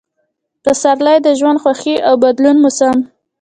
پسرلی – د ژوند، خوښۍ او بدلون موسم